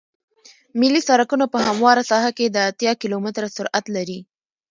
ملي سرکونه په همواره ساحه کې د اتیا کیلومتره سرعت لري